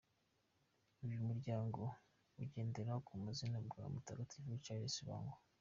Uyu muryango ugendera ku buzima bwa Mutagatifu Charles Lwanga.